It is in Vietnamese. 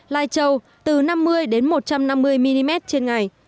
lai châu từ năm mươi đến một trăm năm mươi mm trên ngày